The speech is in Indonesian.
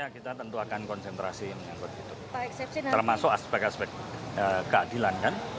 kita tentu akan konsentrasi menyangkut itu termasuk aspek aspek keadilan kan